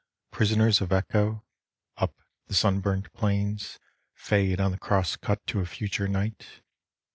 Prisoners of Echo, up the sunburnt plains Fade on the cross cut to a future night.